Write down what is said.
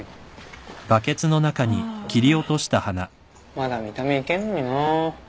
まだ見た目いけんのにな。